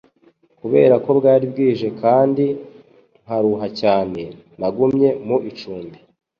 Kubera ko bwari bwije kandi nkaruha cyane, nagumye mu icumbi.